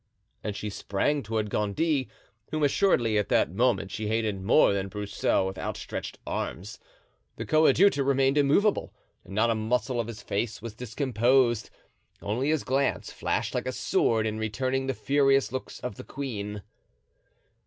And she sprang toward Gondy, whom assuredly at that moment she hated more than Broussel, with outstretched arms. The coadjutor remained immovable and not a muscle of his face was discomposed; only his glance flashed like a sword in returning the furious looks of the queen.